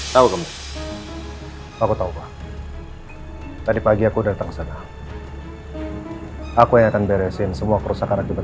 tahu kamu aku tahu pak tadi pagi aku datang sana aku yang akan beresin semua kerusakan akibat